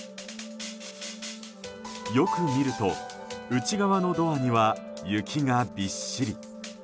よく見ると内側のドアには雪がびっしり。